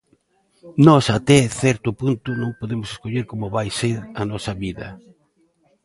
Nós até certo punto non podemos escoller como vai ser a nosa vida.